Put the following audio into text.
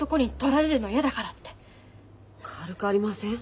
軽くありません？